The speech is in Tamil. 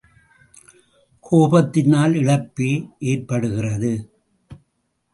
கோபத்தினால் இழப்பே ஏற்படுகிறது.